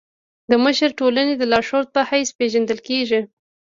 مشر د ټولني د لارښود په حيث پيژندل کيږي.